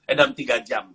eh dalam tiga jam